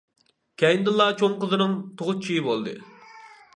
كەينىدىنلا چوڭ قىزىنىڭ تۇغۇت چېيى بولدى.